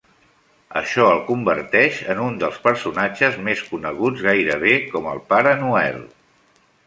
Això el converteix en un dels personatges més coneguts, gairebé com el Pare Noel.